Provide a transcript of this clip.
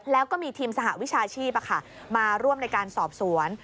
แล้วก็มีทีมสหวิชาชีพมาร่วมในการสอบสวน